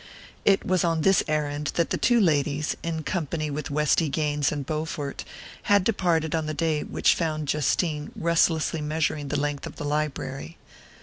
It was on this errand that the two ladies, in company with Westy Gaines and Bowfort, had departed on the day which found Justine restlessly measuring the length of the library.